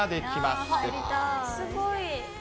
すごい。